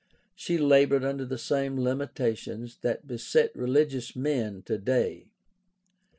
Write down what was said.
She labored under the same limitations that beset religious men today.